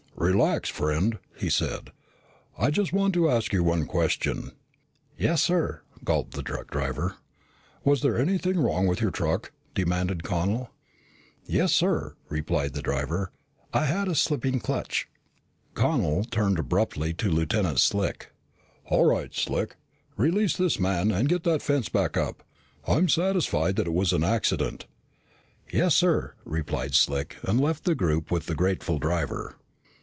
"Relax, friend," he said. "I just want to ask you one question." "Yes, sir," gulped the truck driver. "Was there anything wrong with your truck?" demanded Connel. "Yes, sir," replied the driver. "I had a slipping clutch." Connel turned abruptly to Lieutenant Slick. "All right, Slick, release this man and get that fence back up. I'm satisfied that it was an accident." "Yes, sir," replied Slick, and left the group with the grateful driver.